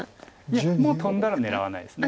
いやもうトンだら狙わないです。